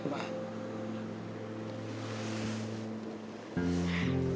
baiklah beranap fort